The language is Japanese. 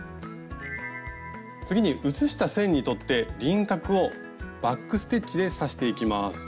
次に写した線にとって輪郭をバック・ステッチで刺していきます。